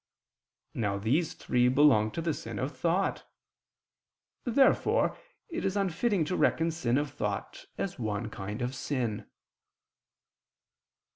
Now these three belong to the sin of thought. Therefore it is unfitting to reckon sin of thought as one kind of sin.